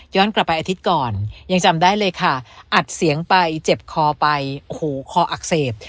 กลับไปอาทิตย์ก่อนยังจำได้เลยค่ะอัดเสียงไปเจ็บคอไปโอ้โหคออักเสบ